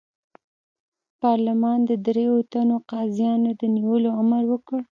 پارلمان د دریوو تنو قاضیانو د نیولو امر وکړ.